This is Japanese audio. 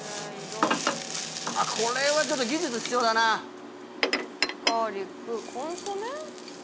これはちょっと技術必要だなガーリックコンソメ？